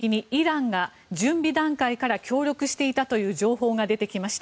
ハマスの攻撃にイランが準備段階から協力していたという情報が出てきました。